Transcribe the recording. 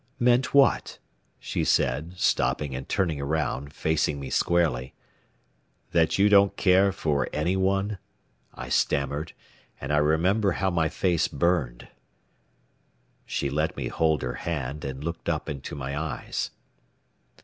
"Meant what?" she said, stopping and turning around, facing me squarely. "That you didn't care for any one?" I stammered, and I remember how my face burned. She let me hold her hand and looked up into my eyes.